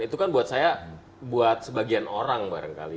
itu kan buat saya buat sebagian orang barangkali